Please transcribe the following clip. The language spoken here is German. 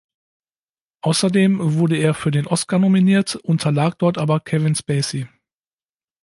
Außerdem wurde er für den Oscar nominiert, unterlag dort aber Kevin Spacey.